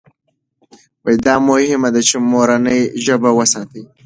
دا مهمه ده چې مورنۍ ژبه وساتو.